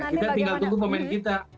kita tinggal tunggu pemain kita